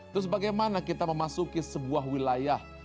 terus bagaimana kita memasuki sebuah wilayah